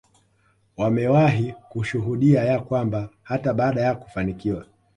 wamewahi kushuhudia ya kwamba hata baada ya kufanikiwa